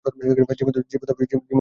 জীবন তো থেমে থাকে না।